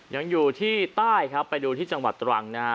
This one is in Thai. ยังอยู่ที่ใต้ครับไปดูที่จังหวัดตรังนะฮะ